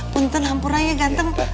punten hampurnanya ganteng